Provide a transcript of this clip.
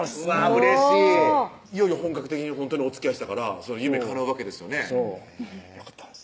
うれしいいよいよ本格的にほんとにおつきあいしたから夢かなうわけですよねそうよかったです